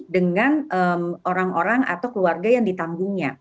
dengan orang orang atau keluarga yang ditanggungnya